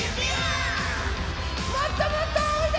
もっともっとあおいで！